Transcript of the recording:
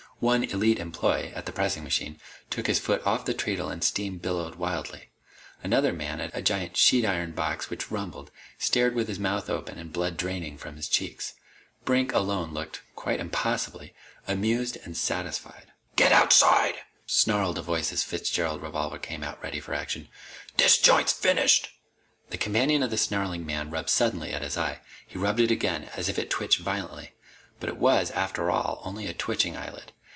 One Elite employee, at the pressing machine, took his foot off the treadle and steam billowed wildly. Another man, at a giant sheet iron box which rumbled, stared with his mouth open and blood draining from his cheeks. Brink, alone, looked quite impossibly amused and satisfied. "Get outside!" snarled a voice as Fitzgerald's revolver came out ready for action. "This joint is finished!" The companion of the snarling man rubbed suddenly at his eye. He rubbed again, as if it twitched violently. But it was, after all, only a twitching eyelid.